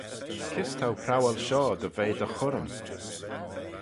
Kys t'ou prowal shoh dy ve dty churrym?